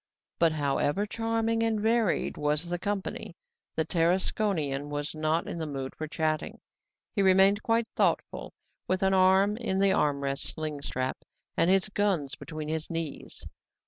But, however charming and varied was the company, the Tarasconian was not in the mood for chatting; he remained quite thoughtful, with an arm in the arm rest sling strap and his guns between his knees.